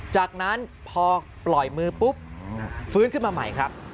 จากนั้นพอปล่อยมือปุ๊บฟื้นขึ้นมาใหม่ครับ